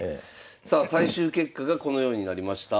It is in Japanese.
さあ最終結果がこのようになりました。